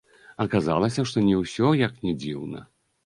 Аказалася, што не ўсё, як ні дзіўна.